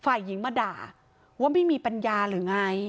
ฝ่ายหญิงมาด่าว่าไม่มีปัญญาหรือไง